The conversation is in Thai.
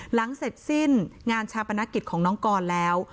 หลังเสร็จสิ้นงานชาปนกิจของน้องกรแล้ว